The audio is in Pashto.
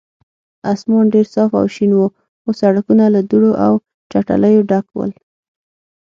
اسمان ډېر صاف او شین و، خو سړکونه له دوړو او چټلیو ډک ول.